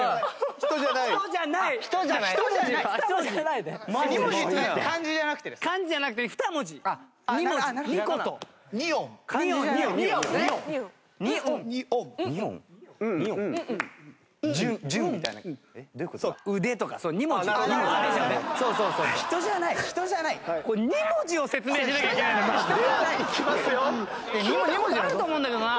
聞いた事あると思うんだけどな。